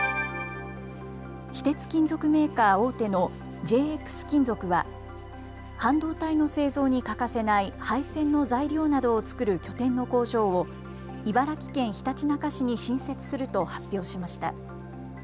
非鉄金属メーカー大手のＪＸ金属は半導体の製造に欠かせない配線の材料などを作る拠点の工場を茨城県ひたちなか市に新設すると発表しました。